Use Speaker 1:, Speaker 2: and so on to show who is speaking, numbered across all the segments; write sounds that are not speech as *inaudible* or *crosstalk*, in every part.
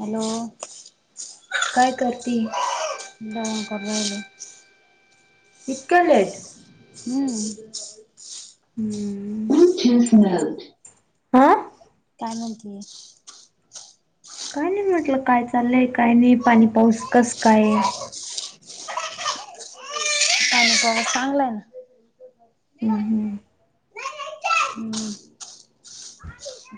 Speaker 1: Hello.
Speaker 2: काय करती.
Speaker 1: जेवन करु राहिले.
Speaker 2: इतक्या लेट. हम्म
Speaker 1: हंम्म.
Speaker 2: हा
Speaker 1: काय म्हणती?
Speaker 2: काय नाही म्हटलं, काय चाललंय काय नाही, पाणी पाऊस कस काय आहे.
Speaker 1: ह. चांगलंय ना
Speaker 2: हम्म हम्म
Speaker 1: हम्म.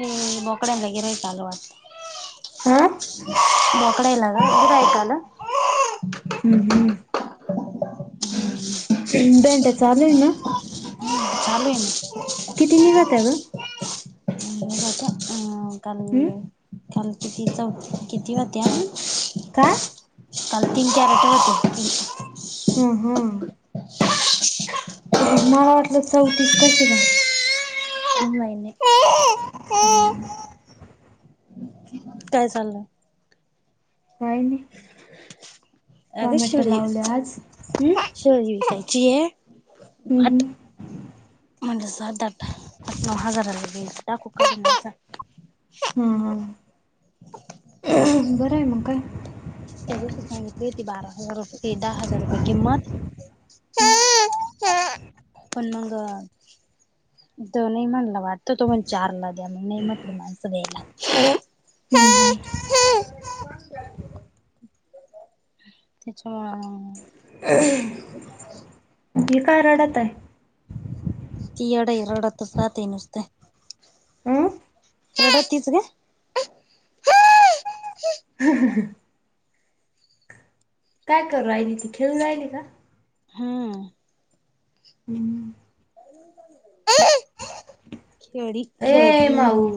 Speaker 1: ज बोकडयांना गिऱ्हाईक आलं वाटत.
Speaker 2: हा हम्म
Speaker 1: बोकड्याला गिऱ्हाईक आलं.
Speaker 2: हम्म. हम्. डेंटा चालू आहे ना?
Speaker 1: ह चालूये ना.
Speaker 2: किती निघत्या ग?
Speaker 1: *unintelligible* कालची ती चौ किती होत्या?
Speaker 2: का?
Speaker 1: काल तीन चार वाटे होते.
Speaker 2: हम् हां.. मला वाटलं चौतीस कसे काय.
Speaker 1: नाही नाही.
Speaker 2: हम्म.
Speaker 1: काय चाललंय.
Speaker 2: काय नाही.
Speaker 1: अगं
Speaker 2: टोमॅटो
Speaker 1: शेळी
Speaker 2: लावले आज. अं?
Speaker 1: *unintelligible* आहे.
Speaker 2: हम्म हम्म.
Speaker 1: मंजस सात आठ हजारला देईल तर टाकू का
Speaker 2: हा हा बरं, आहे मग काय.
Speaker 1: तस सांगितली होती, बारा हजार रुपये दहा हजार रुपये किंमत.
Speaker 2: हम्म
Speaker 1: पण मंग. तो नाही म्हंटला वाटतं, तो मग चारला द्या मग नाही म्हटली माणसं द्यायला.
Speaker 2: हम्म हम्म.
Speaker 1: त्याच्यामुळं
Speaker 2: हे का रडत आहे.
Speaker 1: ती येडं हाय रडतच रहाते नुसतं.
Speaker 2: अं
Speaker 1: रडतीच गं.
Speaker 2: *unintelligible* काय करू रायली, ती खेळु रायली का.
Speaker 1: हम्म.
Speaker 2: हम्म.
Speaker 1: खेडी
Speaker 2: ए
Speaker 1: खेळती.
Speaker 2: माऊ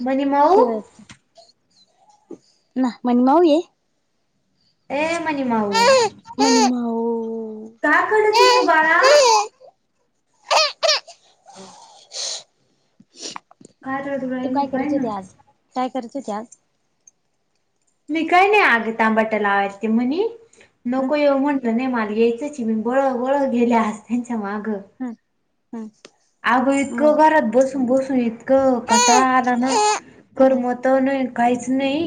Speaker 2: म्हणे,
Speaker 1: खेळ ना, म्हण माऊ ये.
Speaker 2: ये मणीमाऊ,
Speaker 1: मनी माऊ
Speaker 2: ‌काय करती तू बाळा? काय रडू
Speaker 1: तू
Speaker 2: राहिली
Speaker 1: काय
Speaker 2: पाय
Speaker 1: करतं
Speaker 2: ना
Speaker 1: होते आज? काय करते ती आज?
Speaker 2: मी काय नाही अगं, टोमैटो लावती मणी.
Speaker 1: हं
Speaker 2: नको येऊ म्हणलं नाही मला, यायचं मी बळ बळ गेली त्यांच्या मागं.
Speaker 1: हम्.
Speaker 2: अगं इतकं घरात बसून, बसून इतकं कंटाळा
Speaker 1: हं
Speaker 2: आला ना.
Speaker 1: हं
Speaker 2: करमतही नाही आणि काहीच नाही.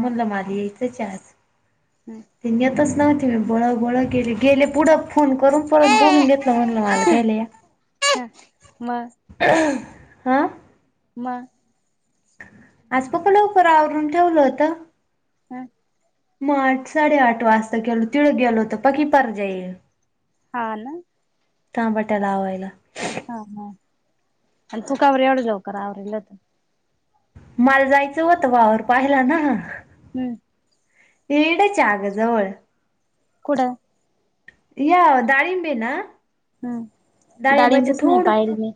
Speaker 2: म्हणल मला येतच आज.
Speaker 1: हम्म.
Speaker 2: ते येतच नव्हती मी बळं बळं केेली. गेले पुढं फोन करून परत बोलवून घेतलं म्हणलं मला घ्यायला या.
Speaker 1: ह मग.
Speaker 2: आ?
Speaker 1: मग.
Speaker 2: आज खूप लवकर आवरून ठेवलं होतं.
Speaker 1: काय.
Speaker 2: मग आठ साडेआठ वाजता गेलो, तिडं गेलो होत पकी परजाईल.
Speaker 1: हा ना.
Speaker 2: टामबाट लावायला.
Speaker 1: हा हा. आणि तू का बर एवढं लवकर आवरलं तू?
Speaker 2: मला जायचं होत वावर पाहिला ना.
Speaker 1: हम्म.
Speaker 2: *unintelligible* च्या अगं जवळ.
Speaker 1: कुठय?
Speaker 2: या दाळिंबे ना
Speaker 1: हं
Speaker 2: दाळिंबाचे
Speaker 1: डाळिंबच नाही
Speaker 2: थोडं
Speaker 1: पाहिलं मी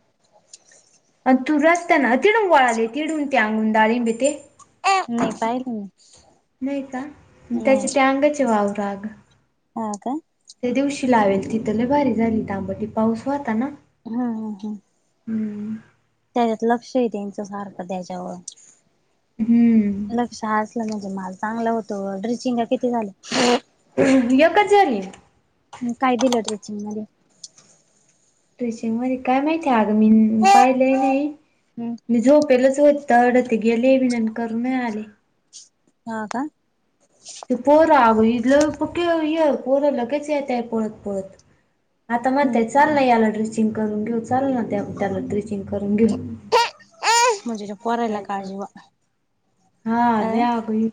Speaker 2: अन तूर असत्याना किडून वळाले किडून त्या अन डाळीबी ते.
Speaker 1: नाही पाहिलं मी
Speaker 2: नाही का त्याचे त्या अंगाचे वाव राग
Speaker 1: हां का.
Speaker 2: त्या दिवशी लावेल तिथं लय लय भारी झाली तांबटी पाऊस व्हता ना.
Speaker 1: हा हा हा.
Speaker 2: हम्म.
Speaker 1: त्याच्यात लक्षही द्यायच सारखं त्याच्यावर.
Speaker 2: हम्म
Speaker 1: लक्ष असलं म्हणजे माल चांगलं होतो ओ, ड्रिचिंग किती झाली?
Speaker 2: हं एकच झाली.
Speaker 1: काय दिलं ट्रेचिंग मध्ये?
Speaker 2: ट्रेचिंगमध्ये काय माहिती आगं मी पाहिलेही नाही.
Speaker 1: हम्
Speaker 2: मी झोपेलच होत तड ते गेली बीन अन करून मिळाले.
Speaker 1: हां का.
Speaker 2: ते पोरं अगं ही इलं लय पक्के पोरं लगेच येत आहे पळत पळत. आता
Speaker 1: हम्
Speaker 2: म्हणतंय चाललंय याला ड्रेचिंग करून घेऊ, चाल ना त्या त्याला ड्रेचिंग करून घेऊन.
Speaker 1: म्हणजे त्या पोरायला का
Speaker 2: *unintelligible*
Speaker 1: जीवा
Speaker 2: हा
Speaker 1: अ
Speaker 2: लय अगं ही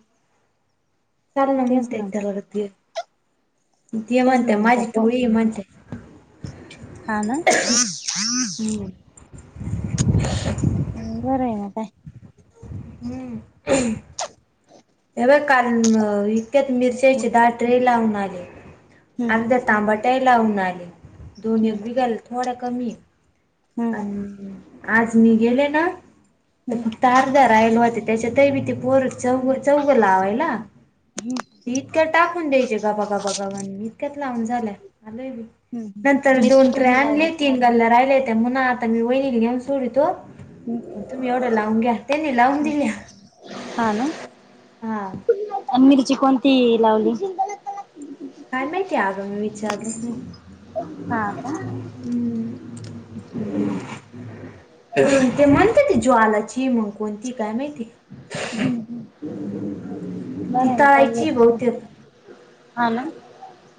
Speaker 2: चांगलं
Speaker 1: तेच
Speaker 2: म्हणत्यात
Speaker 1: ना
Speaker 2: का बघा ते, ते
Speaker 1: तेच
Speaker 2: म्हणताय
Speaker 1: ना मग त्या
Speaker 2: माझी
Speaker 1: पो
Speaker 2: टोळी म्हणते.
Speaker 1: हा ना?
Speaker 2: हम्म *inaudible*
Speaker 1: हम्म बरं आहे मग काय.
Speaker 2: हम्म. *unintelligible* हे बघ काल अ इतक्याच मिरचायचे
Speaker 1: हम्म
Speaker 2: दहा ट्रे लावून आले. आन उद्या तांबाट्याही लावून आले, दोनही
Speaker 1: हम्म
Speaker 2: बिगल थोडं कमी.
Speaker 1: हम्म
Speaker 2: आणि आज मी गेले ना
Speaker 1: हम्म
Speaker 2: तर तार धराईल व्हती त्याच्या तई बी पोरं चौग चौग लावायला. इतकं टाकून द्यायचे गाबा गाबा गावांनी इतक्यात लावून झाल्या आलोय बी. *unintelligible* नंतर
Speaker 1: हम्म मिरची
Speaker 2: दोन ट्रे
Speaker 1: कोणती लावली
Speaker 2: आणले, तीन गल्ल्या राहिले हुत्या म्हणा आता मी वहिनीला नेऊन सोडीतो. तुम्ही एवढं लावून घ्या, त्यांनी लावून दिल्या.
Speaker 1: हा ना.
Speaker 2: हां.
Speaker 1: आणि मिरची कोणती लावली?
Speaker 2: काय माहितीय आग मी विचारली
Speaker 1: हां का हम्म.
Speaker 2: ते ते म्हणते ती ज्वालाची मग कोणती काय माहिती.
Speaker 1: हम्म बरं
Speaker 2: ती
Speaker 1: आहे मग काय
Speaker 2: तळायची
Speaker 1: मिरची
Speaker 2: बहुतेक.
Speaker 1: हा ना?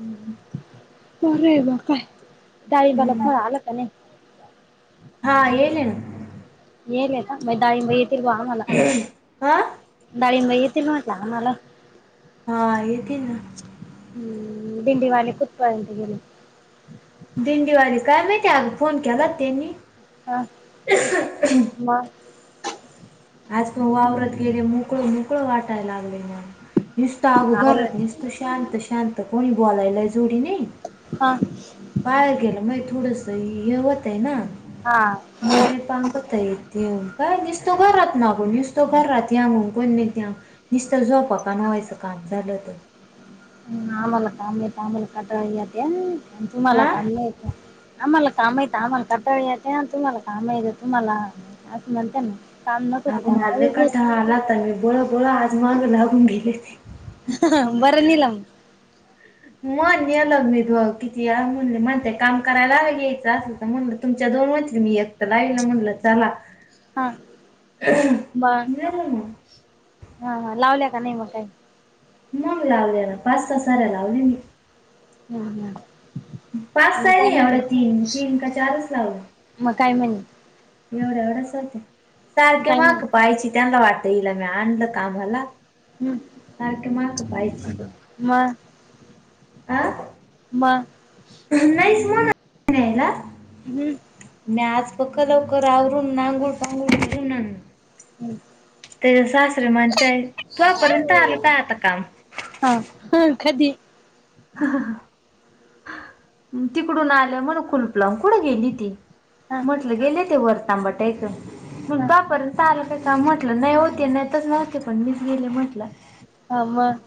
Speaker 2: हं हं.
Speaker 1: *unintelligible* डाळिंबाला
Speaker 2: हम्म
Speaker 1: फळ आलं का नाही?
Speaker 2: हा येले ना.
Speaker 1: येईले का मग डाळींबा येतील बा आम्हाला.
Speaker 2: हा
Speaker 1: डाळींब येतील म्हंटला आम्हाला.
Speaker 2: हां येतील ना.
Speaker 1: हम्म भिंडीवाले कुठपर्यंत गेले?
Speaker 2: दिंडी वारी काय माहिती आग फोन केला तेनी.
Speaker 1: हा मा
Speaker 2: आज पण वावरत गेले मोकळं मोकळं वाटायला लागले, मला निसत अगो
Speaker 1: अरे
Speaker 2: घरातीलच निसता तू शांत शांत कोणी बुलायला जोडीने.
Speaker 1: हां.
Speaker 2: बाहेर गेलं महे थोडसं हे होतंय ना.
Speaker 1: हा.
Speaker 2: *unintelligible* पमखता येते काय दिसतो घरात *unintelligible* नागो नुसतं घर राती हुनकन नद्या नुस्तं झोपा का व्हायचं काम झालं होतं.
Speaker 1: ह आम्हाला काम येत आम्हाला कंटाळा येत तुम्हाला
Speaker 2: हा
Speaker 1: कामये आम्हाला काम आहेत आम्हाला कंटाळा येते. तुम्हाला कामा येत तुम्हाला. असं म्हणत्या ना. काम नको का
Speaker 2: अग मझले का
Speaker 1: त्याला
Speaker 2: आला तर मी बोळ बोळ आज मग लागून गेले ते *unintelligible*
Speaker 1: ह बरं नीलम
Speaker 2: मण ये लग्नघ *unintelligible* किती म्हणले म्हणते काम करायला घ्यायचं अस म्हणलं तुमच्या दोन मैत्रिणी आहेत तर लाईल म्हणलं चला *unintelligible*
Speaker 1: हा. बरं
Speaker 2: गेलो मग
Speaker 1: हा हा लावल्या का नाही? मग काही.
Speaker 2: मग लावले ना पाच सा साऱ्या लावले मी.
Speaker 1: हम् हम *unintelligible*
Speaker 2: पाच काही नाही एवढ तीन -तीन का चारच लावले.
Speaker 1: मग काय म्हणे
Speaker 2: एवढ्या एवढच होत सारखे
Speaker 1: काय म्हणे
Speaker 2: माग पाहायची त्यांना वाटते. तेला मी आणलं कामाला सारखे माग पहायची
Speaker 1: म म
Speaker 2: नाहीच म्हणत *unintelligible* न्यायला.
Speaker 1: हम्म.
Speaker 2: मी आज पक्क लवकर आवरून नागूळ पांगूळ करून आणलं त्या सासरे म्हणतायत तोपर्यंत आलं काय आता काम?
Speaker 1: हा ह कधी?
Speaker 2: तिकडून आलं म्हण कुलूप लावून कुठं गेली ती?
Speaker 1: हा हा
Speaker 2: म्हटलं गेले ते वर तांबाट ऐकून ता पर *unintelligible* चाल काय का म्हटलं नाही हो, ते नेतच नव्हते पण मीच गेले म्हटलं.
Speaker 1: हा मग.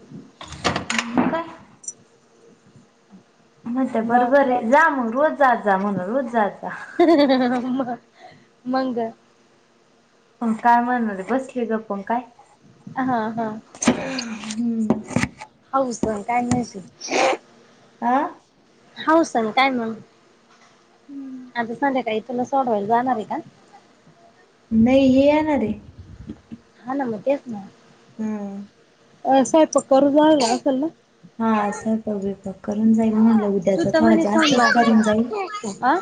Speaker 2: काय मग ते
Speaker 1: म
Speaker 2: बरोबर आहे, जा मग रोज जात जा म्हणलं, रोज जात जा.
Speaker 1: मंग.
Speaker 2: काय म्हणाले बसली गप्प आणि काय.
Speaker 1: हा हा.
Speaker 2: हम्म.
Speaker 1: होस आहे काय नाहीस
Speaker 2: हा.
Speaker 1: हाऊसन काय मंग. आता संध्याकाळी तुला सोडवायला जाणार आहे का?
Speaker 2: नाही हे येणार रे.
Speaker 1: हा ना मग तेच ना.
Speaker 2: हम्म.
Speaker 1: साहेब तो करू राहिला असेल ना *unintelligible*
Speaker 2: हा असलं. पग विपक करून जाईल म्हणलं
Speaker 1: तू
Speaker 2: उद्याच
Speaker 1: तर
Speaker 2: थोडा
Speaker 1: म्हणे
Speaker 2: जास्तच
Speaker 1: सोमवार
Speaker 2: करून जाईल.
Speaker 1: हा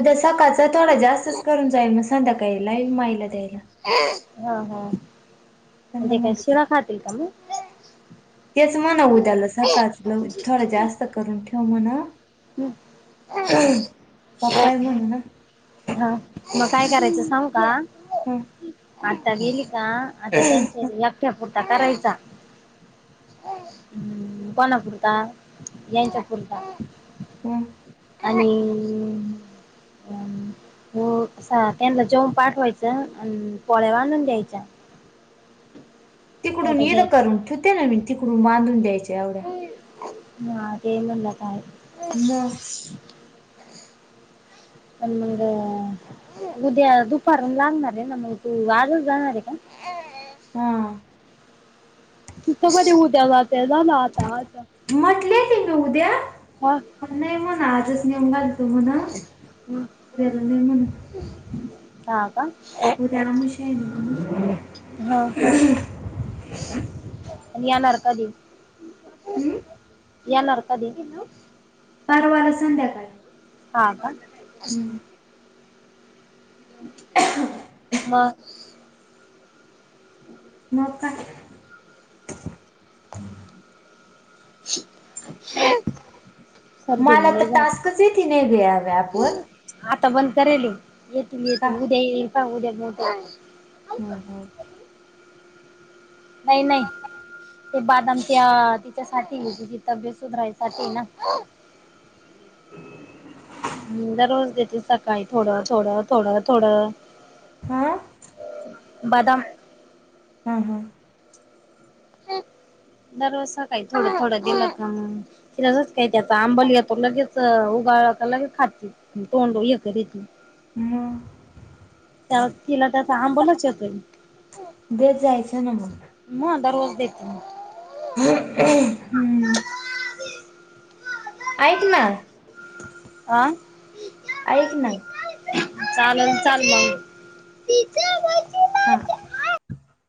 Speaker 2: उद्या सकाळचं तर थोडा जास्तच करून जाईल मग संध्याकाळीला माईला द्यायला.
Speaker 1: *unintelligible* हा
Speaker 2: त्यांना
Speaker 1: ते काय
Speaker 2: म्हणलं
Speaker 1: सुळा खाते का मग?
Speaker 2: तेच म्हणा उद्याला सकाळच ल थोडं जास्त करून ठेव म्हणाव. पप्पा हाय म्हनूना.
Speaker 1: हा मग काय करायचं सांगू का?
Speaker 2: हम् *unintelligible*
Speaker 1: आता गेली का आता त्यांच्या यकट्या पुरता करायचा. हम् कोणा पुरता यांच्या पुरता.
Speaker 2: हम्.
Speaker 1: आणि अ हो कस त्यांना जेवून पाठवायचं आणि पोळ्या बांधून द्यायच्या. नाही
Speaker 2: तिकडून
Speaker 1: तर
Speaker 2: ये
Speaker 1: घे
Speaker 2: न करून ठूते ना मी तिकडून बांधून द्यायच्या एवढ्या
Speaker 1: हा ते म्हणला काय?
Speaker 2: मग
Speaker 1: अन मंग उद्या दुपारून लागणार आय ना मग तू आजच जाणार आए का?
Speaker 2: हा.
Speaker 1: *unintelligible* उद्या जाते जा ना आता जा.
Speaker 2: म्हटले तिन उद्या?
Speaker 1: हा *unintelligible*
Speaker 2: नाई म्हणा आजच नेऊन घालतो म्हणा उद्याला नाई म्हण.
Speaker 1: हा का.
Speaker 2: हो त्याला मुशय
Speaker 1: हा
Speaker 2: *unintelligible*
Speaker 1: येणार कधी?
Speaker 2: हम्म?
Speaker 1: येणार कधी?
Speaker 2: परवाला संध्याकाळ.
Speaker 1: हा का?
Speaker 2: हम्म. *unintelligible*
Speaker 1: मग *inaudible* *unintelligible*
Speaker 2: मग काय?
Speaker 1: *unintelligible*
Speaker 2: माला
Speaker 1: लय
Speaker 2: त
Speaker 1: झालं.
Speaker 2: टास्कच येती नाई ग या व्याप वर.
Speaker 1: आता बंद करेल येतील
Speaker 2: का
Speaker 1: येतील उद्या येईल पा उद्या
Speaker 2: हम् हम.
Speaker 1: नाई नाई. ते बादामत्या तिच्यासाठी तिची तब्येत सुधरायसाठी आहे ना. दररोज देते सात. काय थोडं थोडं थोडं थोडं
Speaker 2: हमं.
Speaker 1: बादाम
Speaker 2: हम हम.
Speaker 1: दररोज सकाई थोडं थोडं दिलं त मग. का त्याचा आंबल घेतो लगेच उगाळ लगेच खात तोंड हे कर *unintelligible*
Speaker 2: मग?
Speaker 1: त्याला तिला काय त्याचा आंबलाच येतोय.
Speaker 2: देत जायचं ना मग
Speaker 1: मग दररोज देती ना.
Speaker 2: *unintelligible* हम्म. ऐक ना
Speaker 1: आं?
Speaker 2: ऐक ना,
Speaker 1: चालल चाल मग.
Speaker 2: हा.